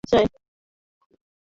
সে কি তাহলে আমার বধূ হতে চায়?